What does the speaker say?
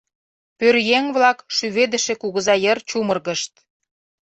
Пӧръеҥ-влак шӱведыше кугыза йыр чумыргышт.